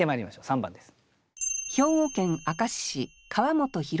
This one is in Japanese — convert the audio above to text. ３番です。